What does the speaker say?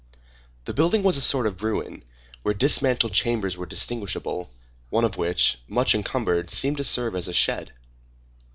The building was a sort of ruin, where dismantled chambers were distinguishable, one of which, much encumbered, seemed to serve as a shed.